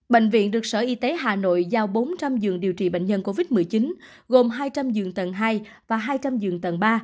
bệnh viện được sở y tế hà nội giao bốn trăm linh giường điều trị bệnh nhân covid một mươi chín gồm hai trăm linh giường tầng hai và hai trăm linh giường tầng ba